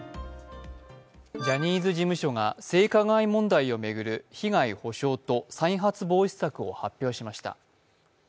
ジャニーズ事務所が性加害問題を巡る被害補償と再発防止策を発表しました。